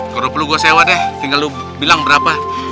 kalo perlu gua sewa deh tinggal lu bilang berapa